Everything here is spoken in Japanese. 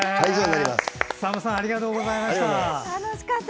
ＳＡＭさんありがとうございました。